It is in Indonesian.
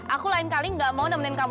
aku lain kali gak mau nemenin kamu